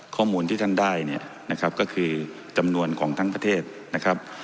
ข้อมูลที่ท่านได้เนี่ยนะครับก็คือจำนวนของทั้งประเทศนะครับ